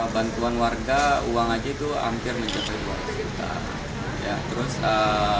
bantuan warga uang aja itu hampir mencapai dua ratus juta